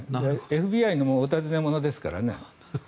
ＦＢＩのお尋ね者ですから。